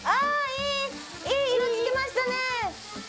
いい色付きましたね！